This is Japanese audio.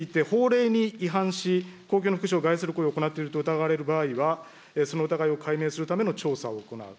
当該団体について、法令に違反し、公共の福祉を害する行為を行っていると疑われる場合は、その疑いを解明するための調査を行う。